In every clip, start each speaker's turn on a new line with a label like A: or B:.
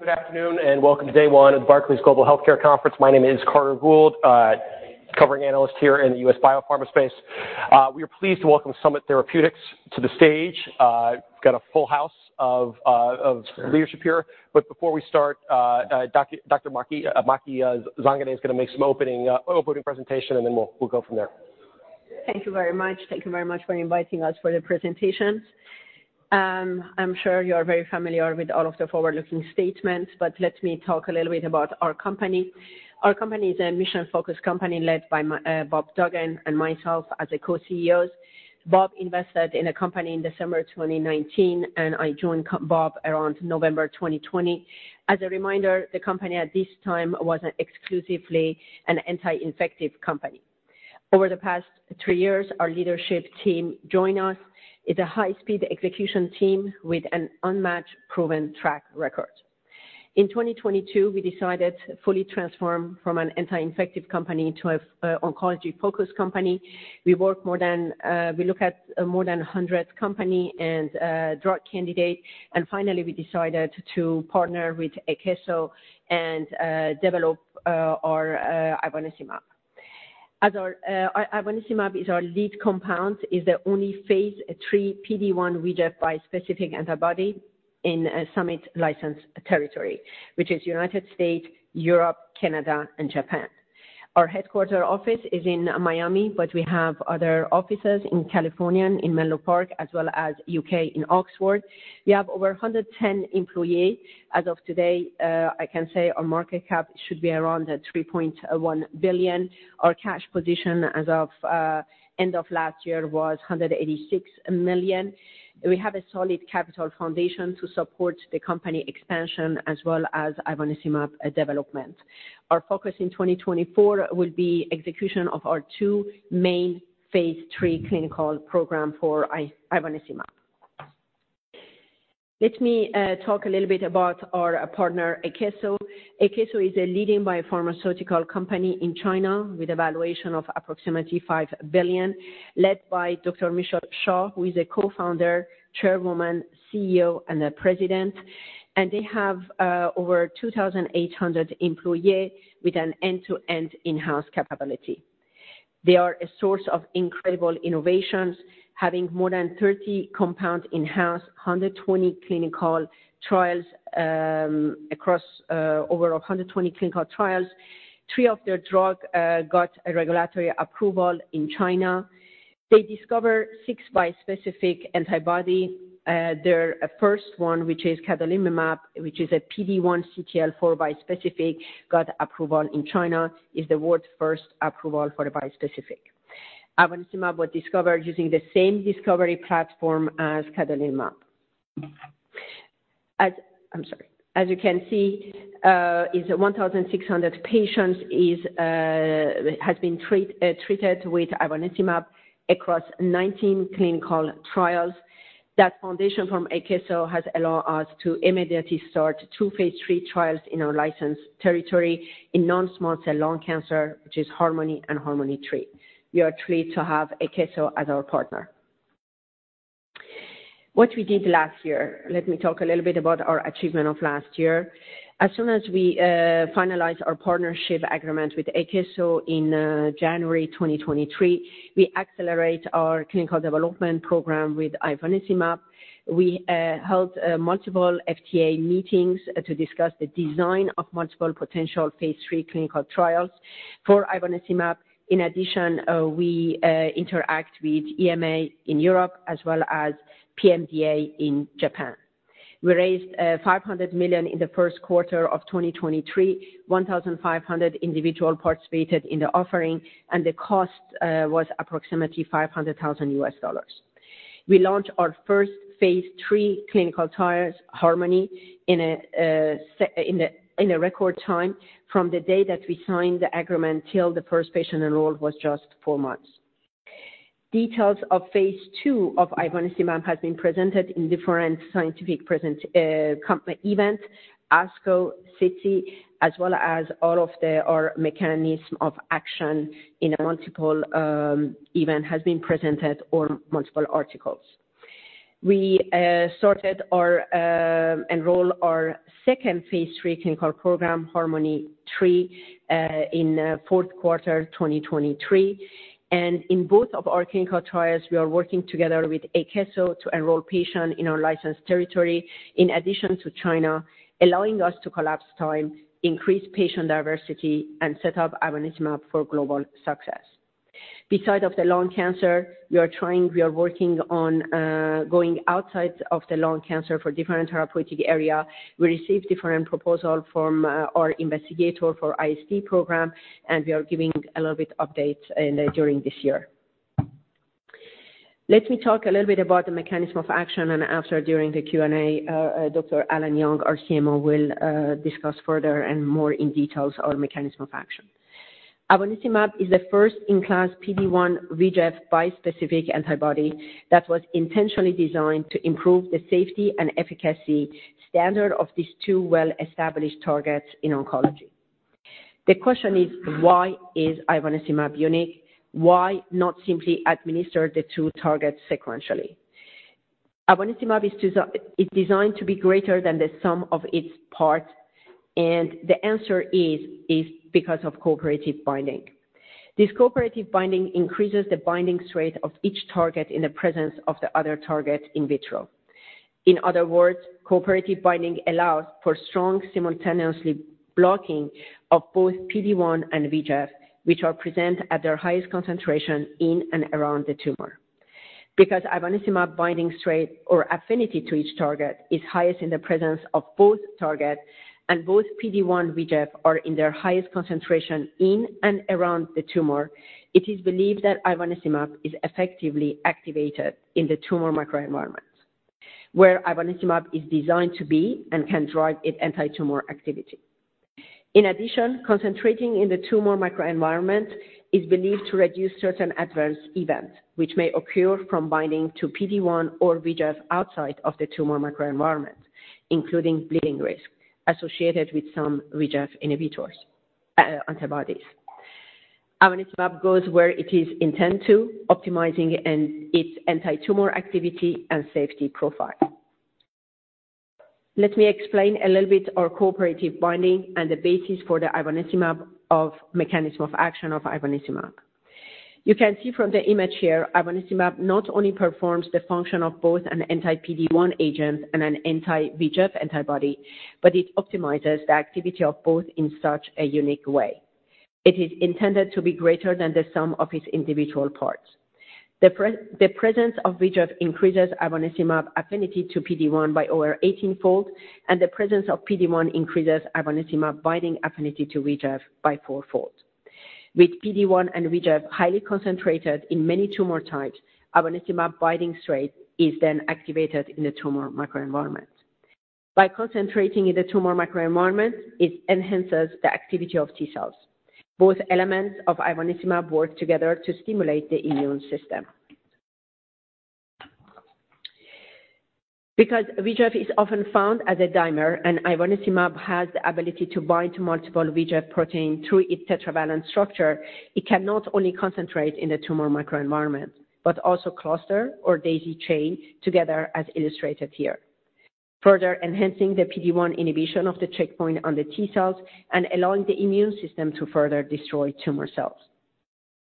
A: Good afternoon and welcome to day one of the Barclays Global Healthcare Conference. My name is Carter Gould, covering analyst here in the U.S. biopharma space. We are pleased to welcome Summit Therapeutics to the stage. We've got a full house of leadership here. But before we start, Dr. Maky Zanganeh is gonna make some opening presentation, and then we'll go from there.
B: Thank you very much. Thank you very much for inviting us for the presentations. I'm sure you are very familiar with all of the forward-looking statements, but let me talk a little bit about our company. Our company is a mission-focused company led by Maky, Bob Duggan and myself as the Co-CEOs. Bob invested in the company in December 2019, and I joined with Bob around November 2020. As a reminder, the company at this time wasn't exclusively an anti-infective company. Over the past three years, our leadership team joined us. It's a high-speed execution team with an unmatched, proven track record. In 2022, we decided to fully transform from an anti-infective company to an oncology-focused company. We looked at more than 100 companies and drug candidates. Finally, we decided to partner with Akeso and develop our ivonescimab. Our ivonescimab is our lead compound, it's the only phase III PD-1/VEGF bispecific antibody in Summit's licensed territory, which is United States, Europe, Canada, and Japan. Our headquarters office is in Miami, but we have other offices in California, in Menlo Park, as well as U.K. in Oxford. We have over 110 employees. As of today, I can say our market cap should be around $3.1 billion. Our cash position as of end of last year was $186 million. We have a solid capital foundation to support the company expansion as well as ivonescimab development. Our focus in 2024 will be execution of our two main phase III clinical programs for ivonescimab. Let me talk a little bit about our partner, Akeso. Akeso is a leading biopharmaceutical company in China with a valuation of approximately $5 billion. Led by Dr. Michelle Xia, who is a co-founder, chairwoman, CEO, and president. They have over 2,800 employees with an end-to-end in-house capability. They are a source of incredible innovations, having more than 30 compounds in-house, 120 clinical trials, across over 120 clinical trials. Three of their drugs got regulatory approval in China. They discovered six bispecific antibodies. Their first one, which is cadonilimab, which is a PD-1/CTLA-4 bispecific, got approval in China. It's the world's first approval for a bispecific. Ivonescimab was discovered using the same discovery platform as cadonilimab. As you can see, it's 1,600 patients has been treated with ivonescimab across 19 clinical trials. That foundation from Akeso has allowed us to immediately start two phase III trials in our licensed territory in non-small cell lung cancer, which is HARMONi and HARMONi-3. We are thrilled to have Akeso as our partner. What we did last year. Let me talk a little bit about our achievement of last year. As soon as we finalized our partnership agreement with Akeso in January 2023, we accelerated our clinical development program with ivonescimab. We held multiple FDA meetings to discuss the design of multiple potential phase III clinical trials for ivonescimab. In addition, we interact with EMA in Europe as well as PMDA in Japan. We raised $500 million in the first quarter of 2023. 1,500 individuals participated in the offering, and the cost was approximately $500,000. We launched our first phase III clinical trials, HARMONi, in a record time from the day that we signed the agreement till the first patient enrolled was just four months. Details of phase II of ivonescimab have been presented in different scientific conferences, ASCO, as well as all of our mechanism of action in multiple events has been presented in multiple articles. We started enrollment of our second phase III clinical program, HARMONi-3, in fourth quarter 2023. In both of our clinical trials, we are working together with Akeso to enroll patients in our licensed territory in addition to China, allowing us to collapse time, increase patient diversity, and set up ivonescimab for global success. Besides the lung cancer, we are working on going outside of the lung cancer for different therapeutic areas. We received different proposals from our investigators for IST program, and we are giving a little bit updates during this year. Let me talk a little bit about the mechanism of action. After, during the Q&A, Dr. Allen Yang, our CMO, will discuss further and more in details our mechanism of action. Ivonescimab is the first-in-class PD-1/VEGF bispecific antibody that was intentionally designed to improve the safety and efficacy standard of these two well-established targets in oncology. The question is, why is Ivonescimab unique? Why not simply administer the two targets sequentially? Ivonescimab is designed to be greater than the sum of its parts. And the answer is because of cooperative binding. This cooperative binding increases the binding strength of each target in the presence of the other target in vitro. In other words, cooperative binding allows for strong simultaneous blocking of both PD-1 and VEGF, which are present at their highest concentration in and around the tumor. Because ivonescimab binding strength or affinity to each target is highest in the presence of both targets and both PD-1 receptors are in their highest concentration in and around the tumor, it is believed that ivonescimab is effectively activated in the tumor microenvironment, where ivonescimab is designed to be and can drive its anti-tumor activity. In addition, concentrating in the tumor microenvironment is believed to reduce certain adverse events which may occur from binding to PD-1 or VEGF outside of the tumor microenvironment, including bleeding risk associated with some VEGF inhibitors, antibodies. Ivonescimab goes where it is intended to, optimizing its anti-tumor activity and safety profile. Let me explain a little bit our cooperative binding and the basis for the ivonescimab of mechanism of action of ivonescimab. You can see from the image here, ivonescimab not only performs the function of both an anti-PD-1 agent and an anti-VEGF antibody, but it optimizes the activity of both in such a unique way. It is intended to be greater than the sum of its individual parts. The presence of VEGF increases ivonescimab affinity to PD-1 by over 18-fold, and the presence of PD-1 increases ivonescimab binding affinity to VEGF by 4-fold. With PD-1 and VEGF highly concentrated in many tumor types, ivonescimab binding strength is then activated in the tumor microenvironment. By concentrating in the tumor microenvironment, it enhances the activity of T cells. Both elements of ivonescimab work together to stimulate the immune system. Because VEGF is often found as a dimer, and ivonescimab has the ability to bind to multiple VEGF proteins through its tetravalent structure, it cannot only concentrate in the tumor microenvironment but also cluster or daisy chain together, as illustrated here, further enhancing the PD-1 inhibition of the checkpoint on the T cells and allowing the immune system to further destroy tumor cells.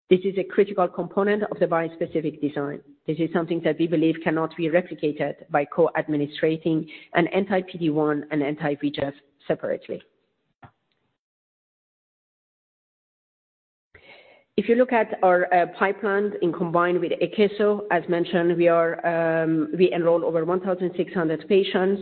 B: This is a critical component of the bispecific design. This is something that we believe cannot be replicated by co-administrating an anti-PD-1 and anti-VEGF separately. If you look at our pipeline in combination with Akeso, as mentioned, we enroll over 1,600 patients.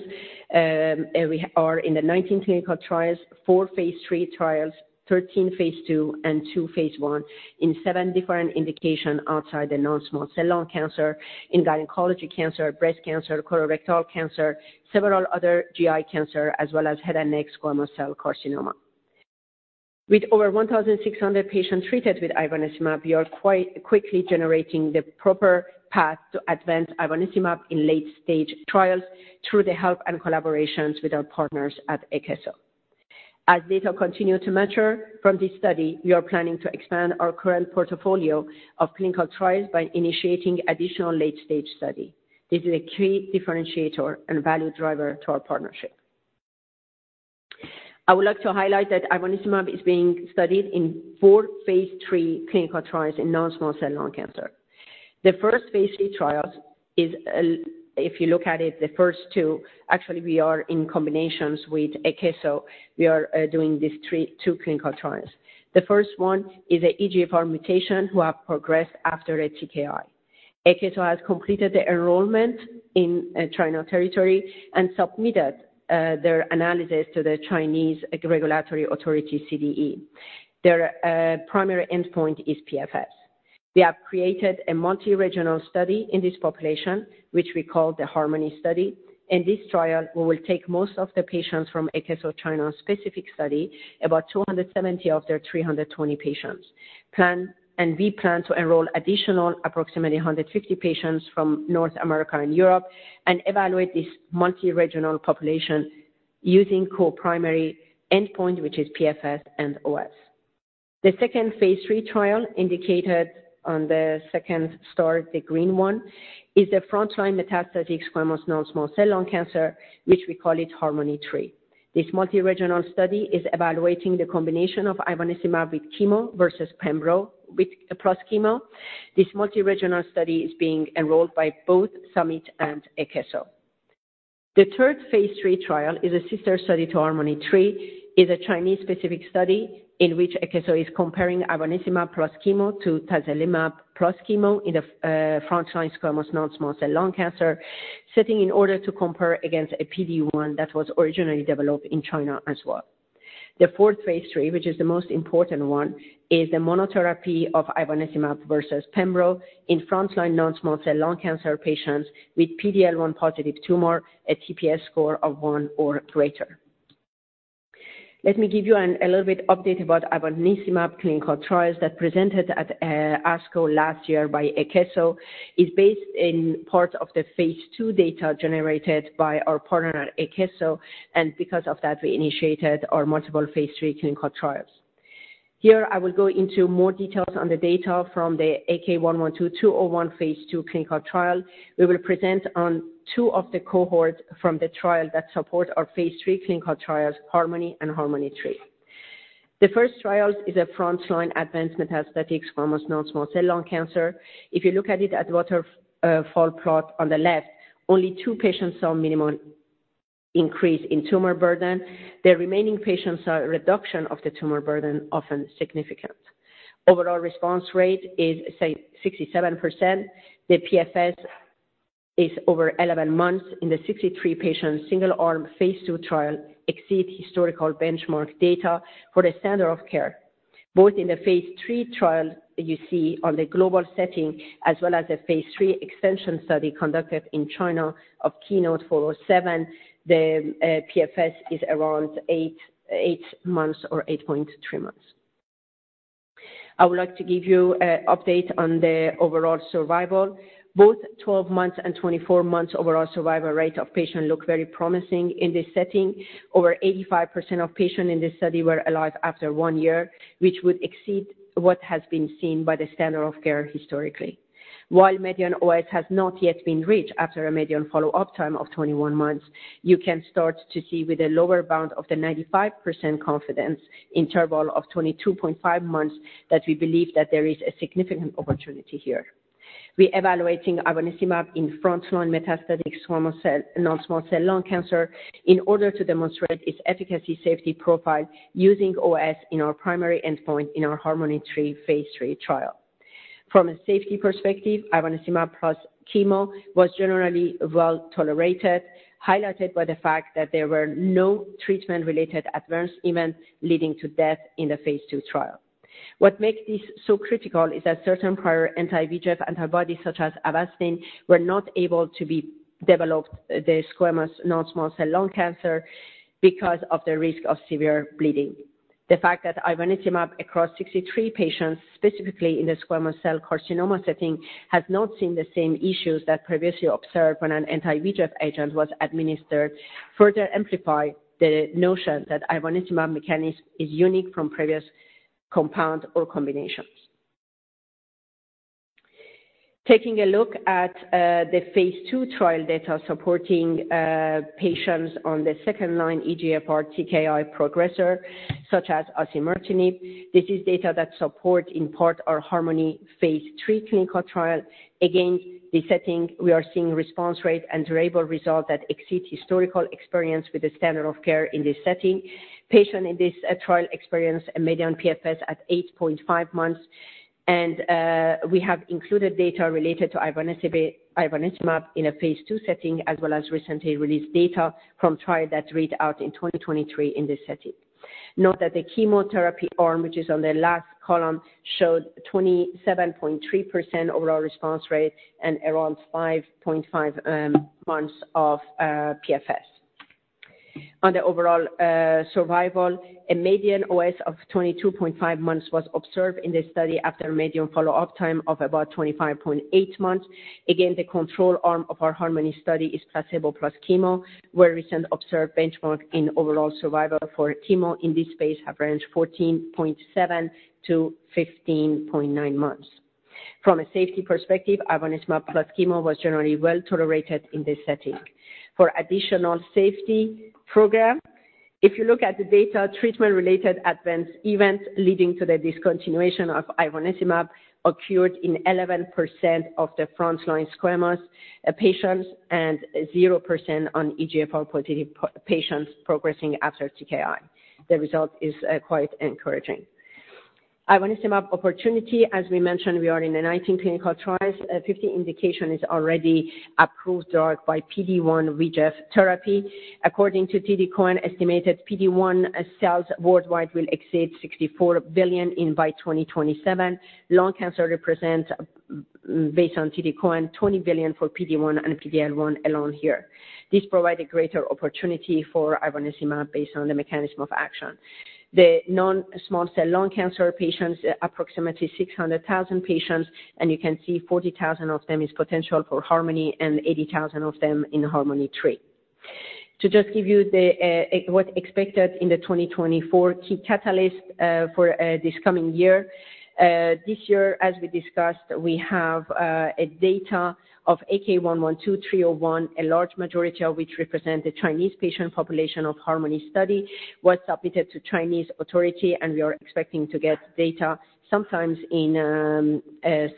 B: We are in the 19 clinical trials, four phase III trials, 13 phase II, and two phase I in seven different indications outside the non-small cell lung cancer, in gynecology cancer, breast cancer, colorectal cancer, several other GI cancers, as well as head and neck squamous cell carcinoma. With over 1,600 patients treated with ivonescimab, we are quite quickly generating the proper path to advance ivonescimab in late-stage trials through the help and collaborations with our partners at Akeso. As data continue to mature from this study, we are planning to expand our current portfolio of clinical trials by initiating additional late-stage studies. This is a key differentiator and value driver to our partnership. I would like to highlight that ivonescimab is being studied in four phase III clinical trials in non-small cell lung cancer. The first phase III trials is, if you look at it, the first two. Actually, we are in combinations with Akeso. We are doing these three two clinical trials. The first one is an EGFR mutation that progressed after a TKI. Akeso has completed the enrollment in China territory and submitted their analysis to the Chinese Regulatory Authority, CDE. Their primary endpoint is PFS. We have created a multi-regional study in this population, which we call the HARMONi study. In this trial, we will take most of the patients from Akeso China specific study, about 270 of their 320 patients, and we plan to enroll additional approximately 150 patients from North America and Europe and evaluate this multi-regional population using co-primary endpoint, which is PFS and OS. The second phase III trial indicated on the second star, the green one, is the frontline metastatic squamous non-small cell lung cancer, which we call it HARMNi-3. This multi-regional study is evaluating the combination of ivonescimab with chemo versus pembro plus chemo. This multi-regional study is being enrolled by both Summit and Akeso. The third phase III trial, which is a sister study to HARMONi-3, is a Chinese-specific study in which Akeso is comparing ivonescimab plus chemo to tislelizumab plus chemo in the frontline squamous non-small cell lung cancer setting in order to compare against a PD-1 that was originally developed in China as well. The fourth phase III, which is the most important one, is the monotherapy of ivonescimab versus pembro in frontline non-small cell lung cancer patients with PD-L1 positive tumor, a TPS score of one or greater. Let me give you a little bit update about ivonescimab clinical trials that presented at ASCO last year by Akeso. It's based in part on the phase II data generated by our partner at Akeso. Because of that, we initiated our multiple phase III clinical trials. Here, I will go into more details on the data from the AK112-201 phase II clinical trial. We will present on two of the cohorts from the trial that support our phase III clinical trials, HARMONi and HARMONi-3. The first trial is a frontline advanced metastatic squamous non-small cell lung cancer. If you look at the waterfall plot on the left, only two patients saw minimal increase in tumor burden. The remaining patients saw a reduction of the tumor burden, often significant. Overall response rate is, say, 67%. The PFS is over 11 months. In the 63-patient single-arm phase II trial, it exceeds historical benchmark data for the standard of care. Both in the phase III trial you see on the global setting, as well as the phase III extension study conducted in China of KEYNOTE-407, the PFS is around eight, eight months or 8.3 months. I would like to give you an update on the overall survival. Both 12 months and 24 months overall survival rate of patients look very promising in this setting. Over 85% of patients in this study were alive after one year, which would exceed what has been seen by the standard of care historically. While median OS has not yet been reached after a median follow-up time of 21 months, you can start to see with a lower bound of the 95% confidence interval of 22.5 months that we believe that there is a significant opportunity here. We are evaluating ivonescimab in frontline metastatic squamous cell non-small cell lung cancer in order to demonstrate its efficacy safety profile using OS in our primary endpoint in our HARMONi-3 phase III trial. From a safety perspective, ivonescimab plus chemo was generally well tolerated, highlighted by the fact that there were no treatment-related adverse events leading to death in the phase II trial. What makes this so critical is that certain prior anti-VEGF antibodies, such as Avastin, were not able to be developed in the squamous non-small cell lung cancer because of the risk of severe bleeding. The fact that ivonescimab across 63 patients, specifically in the squamous cell carcinoma setting, has not seen the same issues that were previously observed when an anti-VEGF agent was administered further amplifies the notion that ivonescimab mechanism is unique from previous compound or combinations. Taking a look at the phase II trial data supporting patients on the second-line EGFR TKI progressor, such as Osimertinib, this is data that supports, in part, our HARMONi phase III clinical trial. Again, in this setting, we are seeing response rate and durable results that exceed historical experience with the standard of care in this setting. Patients in this trial experienced a median PFS at 8.5 months. We have included data related to ivonescimab in a phase II setting, as well as recently released data from trials that read out in 2023 in this setting. Note that the chemotherapy arm, which is on the last column, showed 27.3% overall response rate and around 5.5 months of PFS. On the overall survival, a median OS of 22.5 months was observed in this study after a median follow-up time of about 25.8 months. Again, the control arm of our HARMONi study is placebo plus chemo, where recent observed benchmarks in overall survival for chemo in this space have ranged 14.7 to 15.9 months. From a safety perspective, ivonescimab plus chemo was generally well tolerated in this setting. For additional safety data, if you look at the data, treatment-related adverse events leading to the discontinuation of ivonescimab occurred in 11% of the frontline squamous patients and 0% of EGFR-positive patients progressing after TKI. The result is quite encouraging. Ivonescimab opportunity, as we mentioned, we are in the 19 clinical trials. 50 indications are already approved drugs by PD-1 based therapy. According to TD Cowen, estimated PD-1 sales worldwide will exceed $64 billion by 2027. Lung cancer represents, based on TD Cowen, $20 billion for PD-1 and PD-L1 alone here. This provides a greater opportunity for ivonescimab based on the mechanism of action. The non-small cell lung cancer patients, approximately 600,000 patients. You can see 40,000 of them are potential for HARMONi and 80,000 of them in HARMONi-3. To just give you what's expected in the 2024 key catalyst, for this coming year, this year, as we discussed, we have data of AK112-301, a large majority of which represents the Chinese patient population of HARMONi study, was submitted to Chinese authority. We are expecting to get data sometime in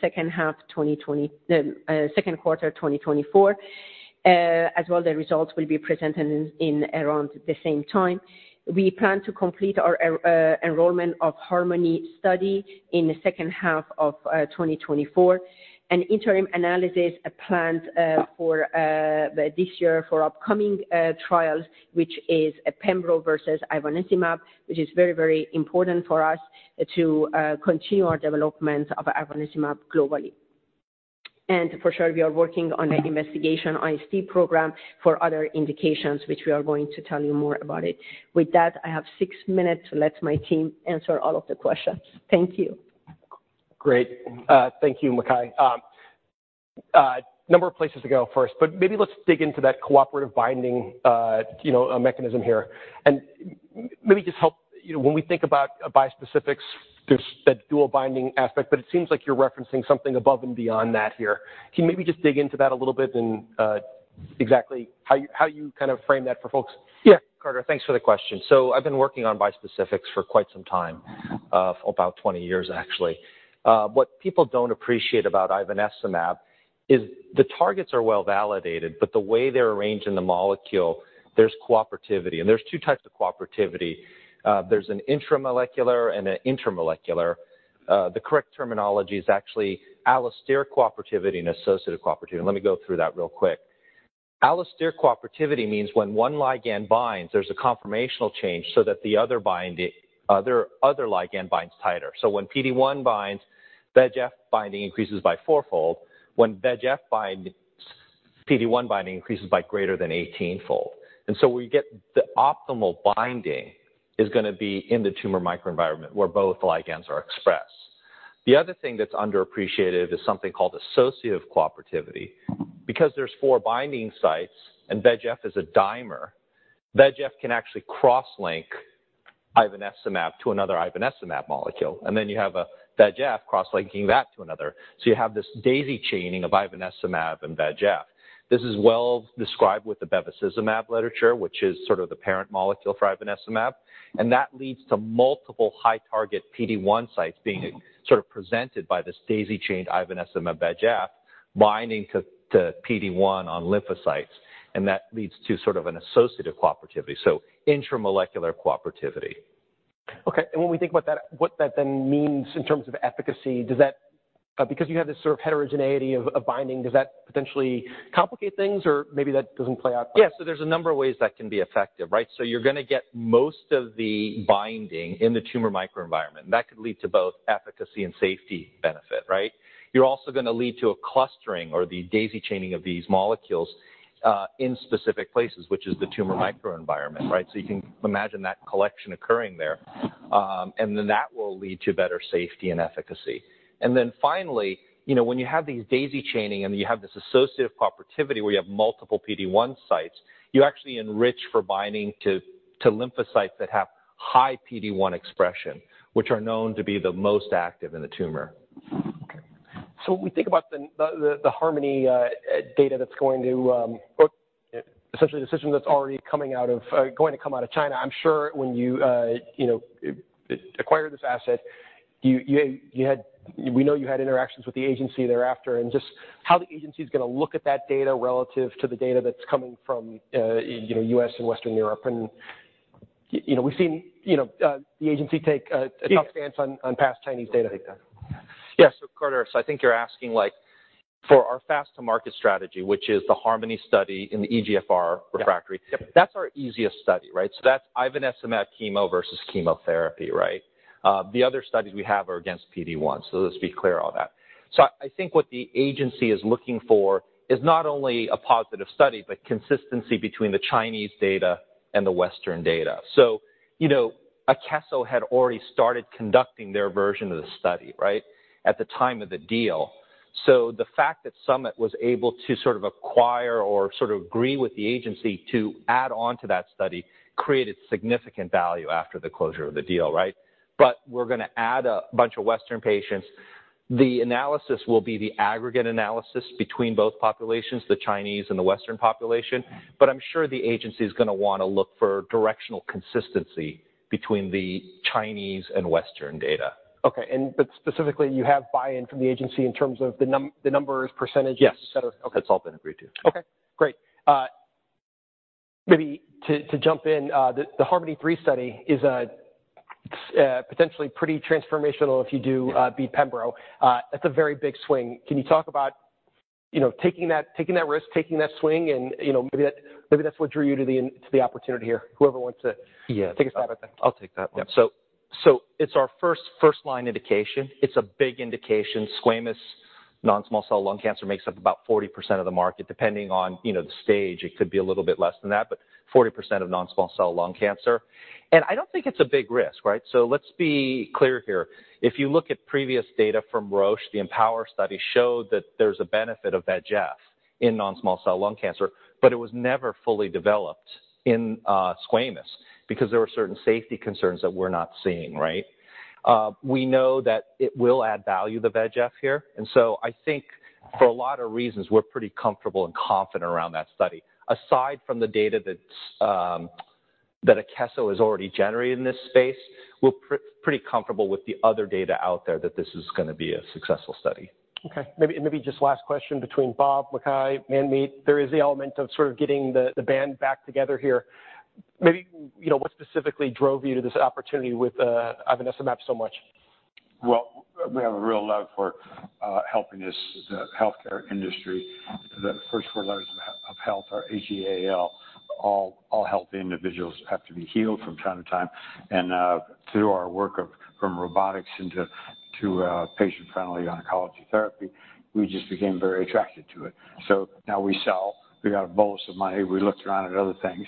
B: second half 2020 the second quarter 2024, as well as the results will be presented in around the same time. We plan to complete our enrollment of HARMONi study in the second half of 2024. An interim analysis is planned for this year for upcoming trials, which is pembro versus ivonescimab, which is very, very important for us to continue our development of ivonescimab globally. And for sure, we are working on an investigational IST program for other indications, which we are going to tell you more about. With that, I have six minutes to let my team answer all of the questions. Thank you.
A: Great. Thank you, Maky. A number of places to go first. But maybe let's dig into that cooperative binding, you know, mechanism here. And maybe just help, you know, when we think about bispecifics, there's that dual binding aspect. But it seems like you're referencing something above and beyond that here. Can you maybe just dig into that a little bit and exactly how you kind of frame that for folks?
C: Yeah. Carter, thanks for the question. So I've been working on bispecifics for quite some time, for about 20 years, actually. What people don't appreciate about ivonescimab is the targets are well validated. But the way they're arranged in the molecule, there's cooperativity. And there's two types of cooperativity. There's an intramolecular and an intermolecular. The correct terminology is actually allosteric cooperativity and associative cooperativity. Let me go through that real quick. Allosteric cooperativity means when one ligand binds, there's a conformational change so that the other ligand binds tighter. So when PD-1 binds, VEGF binding increases by fourfold. When VEGF binds PD-1 binding increases by greater than 18-fold. And so we get the optimal binding is going to be in the tumor microenvironment where both ligands are expressed. The other thing that's underappreciated is something called associative cooperativity. Because there's four binding sites, and VEGF is a dimer, VEGF can actually cross-link ivonescimab to another ivonescimab molecule. And then you have a VEGF cross-linking that to another. So you have this daisy chaining of ivonescimab and VEGF. This is well described with the bevacizumab literature, which is sort of the parent molecule for ivonescimab. And that leads to multiple high-target PD-1 sites being sort of presented by this daisy-chained ivonescimab-VEGF binding to, to PD-1 on lymphocytes. And that leads to sort of an associative cooperativity, so intramolecular cooperativity.
A: Okay. And when we think about that, what that then means in terms of efficacy, does that because you have this sort of heterogeneity of, of binding, does that potentially complicate things? Or maybe that doesn't play out quite as well?
C: Yeah. So there's a number of ways that can be effective, right? So you're going to get most of the binding in the tumor microenvironment. And that could lead to both efficacy and safety benefit, right? You're also going to lead to a clustering or the daisy chaining of these molecules, in specific places, which is the tumor microenvironment, right? So you can imagine that collection occurring there. And then that will lead to better safety and efficacy. And then finally, you know, when you have these daisy chaining and you have this associative cooperativity where you have multiple PD-1 sites, you actually enrich for binding to lymphocytes that have high PD-1 expression, which are known to be the most active in the tumor.
A: Okay. So when we think about the HARMONi data that's going to, or essentially decisions that's already coming out of, going to come out of China, I'm sure when you, you know, acquire this asset, you had, you know, you had interactions with the agency thereafter. Just how the agency is going to look at that data relative to the data that's coming from, you know, U.S. and Western Europe. And, you know, we've seen, you know, the agency take a tough stance on past Chinese data. Yeah. So Carter, so I think you're asking, like, for our fast-to-market strategy, which is the HARMONi study in the EGFR refractory, that's our easiest study, right? So that's ivonescimab chemo versus chemotherapy, right? The other studies we have are against PD-1. So let's be clear on that. So I think what the agency is looking for is not only a positive study but consistency between the Chinese data and the Western data. So, you know, Akeso had already started conducting their version of the study, right, at the time of the deal.
C: So the fact that Summit was able to sort of acquire or sort of agree with the agency to add onto that study created significant value after the closure of the deal, right? But we're going to add a bunch of Western patients. The analysis will be the aggregate analysis between both populations, the Chinese and the Western population. But I'm sure the agency is going to want to look for directional consistency between the Chinese and Western data.
A: Okay. And but specifically, you have buy-in from the agency in terms of the numbers, percentages, etc.?
D: Yes. Okay. That's all been agreed to.
A: Okay. Great. Maybe to jump in, the HARMONi-3 study is potentially pretty transformational if you do beat pembro. That's a very big swing. Can you talk about, you know, taking that risk, taking that swing, and, you know, maybe that's what drew you to the opportunity here, whoever wants to take a stab at that?
C: Yeah. I'll take that one. So, it's our first-line indication. It's a big indication. Squamous non-small cell lung cancer makes up about 40% of the market. Depending on, you know, the stage, it could be a little bit less than that, but 40% of non-small cell lung cancer. I don't think it's a big risk, right? So let's be clear here. If you look at previous data from Roche, the IMpower study showed that there's a benefit of VEGF in non-small cell lung cancer. But it was never fully developed in squamous because there were certain safety concerns that we're not seeing, right? We know that it will add value to the VEGF here. And so I think for a lot of reasons, we're pretty comfortable and confident around that study. Aside from the data that Akeso is already generating in this space, we're pretty comfortable with the other data out there that this is going to be a successful study.
A: Okay. Maybe, maybe just last question between Bob, Maky, Manmeet. There is the element of sort of getting the band back together here. Maybe, you know, what specifically drove you to this opportunity with ivonescimab so much?
D: Well, we have a real love for helping the healthcare industry. The first four letters of health are H-E-A-L. All healthy individuals have to be healed from time to time. Through our work from robotics into patient-friendly oncology therapy, we just became very attracted to it. So now we sell. We got a bolus of money. We looked around at other things.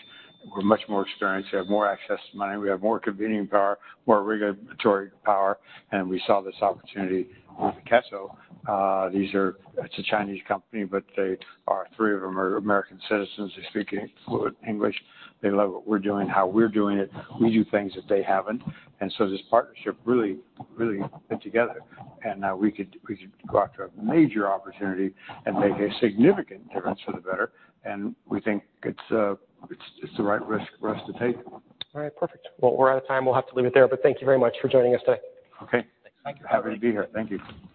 D: We're much more experienced. We have more access to money. We have more convenience power, more regulatory power. And we saw this opportunity with Akeso. These are, it's a Chinese company. But they are, three of them are American citizens. They speak fluent English. They love what we're doing, how we're doing it. We do things that they haven't. And so this partnership really, really fit together. And now we could, we could go after a major opportunity and make a significant difference for the better. And we think it's, it's, it's the right risk for us to take.
A: All right. Perfect. Well, we're out of time. We'll have to leave it there. But thank you very much for joining us today.
D: Okay. Thanks.
C: Thank you. Happy to be here. Thank you.